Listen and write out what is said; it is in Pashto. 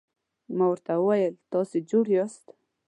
ما ورته وویل: تاسي جوړ یاست؟